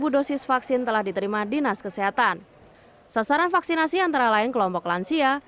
dosis vaksin telah diterima dinas kesehatan sasaran vaksinasi antara lain kelompok lansia